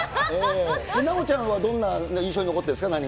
直ちゃんはどんな印象に残っているんですか。